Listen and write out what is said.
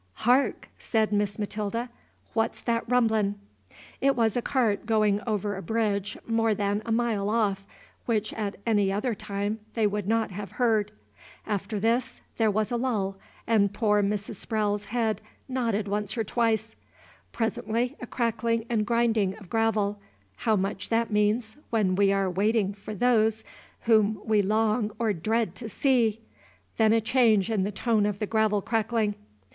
"Hark!" said Miss Matilda, "what 's that rumblin'?" It was a cart going over a bridge more than a mile off, which at any other time they would not have heard. After this there was a lull, and poor Mrs. Sprowle's head nodded once or twice. Presently a crackling and grinding of gravel; how much that means, when we are waiting for those whom we long or dread to see! Then a change in the tone of the gravel crackling.